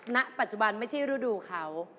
ณปัจจุบันไม่ใช่ฤดูเขา